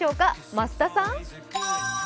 増田さん！